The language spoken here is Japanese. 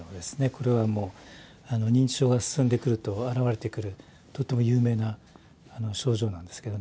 これはもう認知症が進んでくると現れてくるとっても有名な症状なんですけどね。